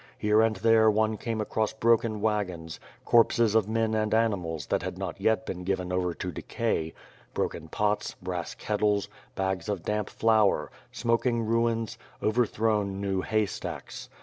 Here and there one came across broken wagons, corpses of men and animals that had not yet been given over to decay; broken pots, brass kettles, bags of damp flour, smoking ruins, overthrown new hay stacks.